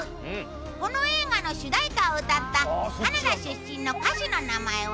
この映画の主題歌を歌ったカナダ出身の歌手の名前は？